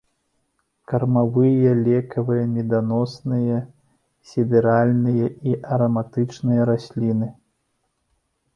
Кармавыя, лекавыя, меданосныя, сідэральныя і араматычныя расліны.